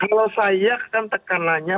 kalau saya kan tekanannya